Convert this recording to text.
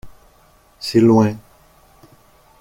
C’est loin.